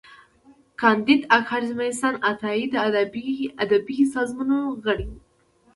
کانديد اکاډميسن عطايي د ادبي سازمانونو غړی و.